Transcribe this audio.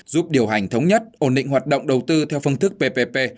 giúp điều hành thống nhất ổn định hoạt động đầu tư theo phương thức ppp